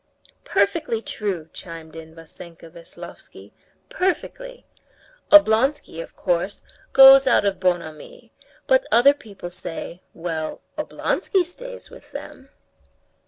"Perfectly true!" chimed in Vassenka Veslovsky. "Perfectly! Oblonsky, of course, goes out of bonhomie, but other people say: 'Well, Oblonsky stays with them.